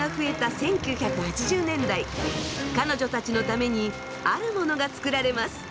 １９８０年代彼女たちのためにあるものが作られます。